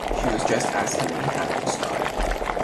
She was dressed as Helene had described.